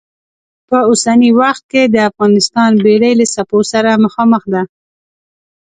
په اوسني وخت کې د افغانستان بېړۍ له څپو سره مخامخ ده.